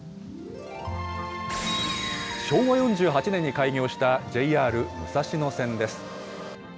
昭和４８年に開業したＪＲ武蔵野線です。